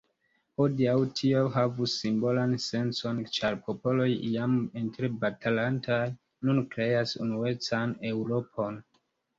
Hodiaŭ tio havus simbolan sencon, ĉar popoloj iam interbatalantaj nun kreas unuecan Eŭropon.